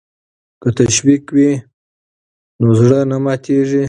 که تشویق وي نو زړه نه ماتیږي.